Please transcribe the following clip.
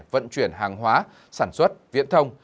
vận chuyển hàng hóa sản xuất viễn thông